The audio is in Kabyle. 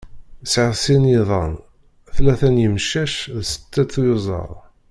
Sεiɣ sin yiḍan, tlata n yimcac d setta tyuzaḍ.